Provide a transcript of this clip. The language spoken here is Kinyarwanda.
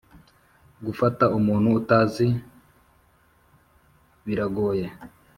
gufata umuntu utazi birgoye.